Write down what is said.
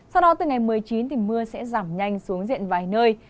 sau đó từ ngày một mươi chín thì mưa sẽ giảm nhanh xuống diện vài nơi